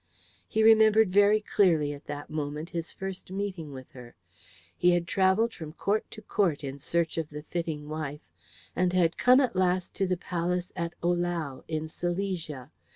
He remembered very clearly at that moment his first meeting with her. He had travelled from court to court in search of the fitting wife, and had come at last to the palace at Ohlau in Silesia.